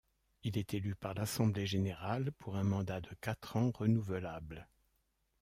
Il est élu par l'assemblée générale pour un mandat de quatre ans, renouvelable.